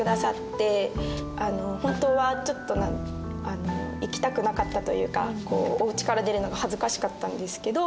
本当はちょっとあの行きたくなかったというかおうちから出るのが恥ずかしかったんですけど。